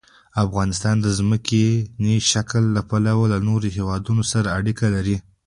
افغانستان د ځمکنی شکل له پلوه له نورو هېوادونو سره اړیکې لري.